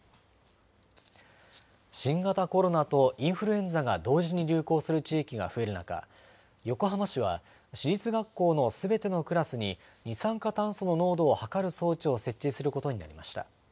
新型コロナとインフルエンザが同時に流行する地域が増える中、横浜市は市立学校のすべてのクラスに、二酸化炭素の濃度を測る装置を設置することになりました。